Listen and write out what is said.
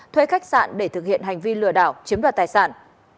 thuê khách sạn để thực hiện hành vi lừa đảo chiếm đoạt tài sản